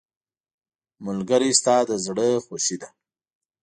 ملګری ستا د زړه خوښي ده.